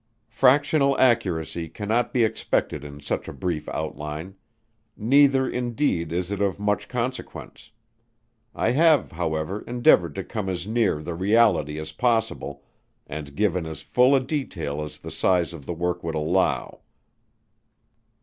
Fractional accuracy cannot be expected in such a brief outline; neither indeed is it of much consequence. I have, however, endeavoured to come as near the reality as possible, and given as full a detail as the size of the Work would allow.